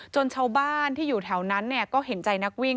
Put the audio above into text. ชาวบ้านที่อยู่แถวนั้นก็เห็นใจนักวิ่ง